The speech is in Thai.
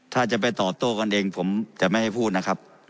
ถ้าจะไปตอบโต้กันเองผมจะไม่ให้พูดนะครับ